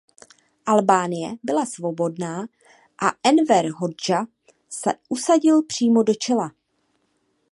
Albánie byla svobodná a Enver Hodža se usadil přímo do čela.